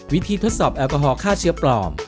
วิธีทดสอบแอลกอฮอลฆ่าเชื้อปลอม